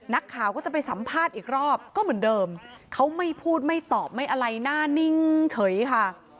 นักข่าวก็จะไปสัมภาษณ์อีกรอบก็เหมือนเดิมเขาไม่พูดไม่ตอบไม่อะไรหน้านิ่งเฉยค่ะ